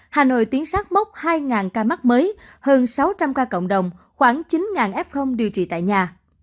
hà nội tiến sát mốc hai ca mắc mới hơn sáu trăm linh ca cộng đồng khoảng chín f điều trị tại nhà